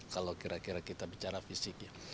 kalau kira kira kita bicara fisik ya